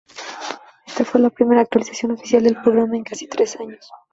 Ésta fue la primera actualización oficial del programa en casi tres años.